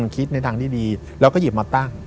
คิดในทางที่ดีแล้วก็หยิบมาตั้ง